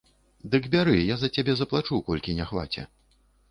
Дык бяры, я за цябе заплачу, колькі не хваце.